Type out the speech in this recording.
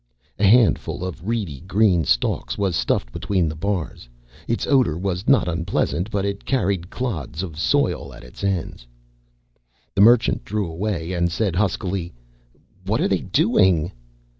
A handful of reedy green stalks was stuffed between the bars. Its odor was not unpleasant but it carried clods of soil at its ends. The Merchant drew away and said, huskily, "What are they doing?"